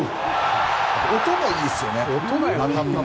音もいいですよね。